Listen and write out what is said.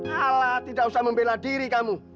ala tidak usah membela diri kamu